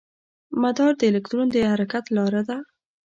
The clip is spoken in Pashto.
مدار د الکترون د حرکت لاره ده.